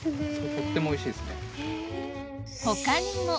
とってもおいしいです。